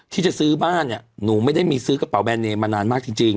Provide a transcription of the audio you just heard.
ที่จะซื้อบ้านเนี่ยหนูไม่ได้มีซื้อกระเป๋าแบรนเนมมานานมากจริง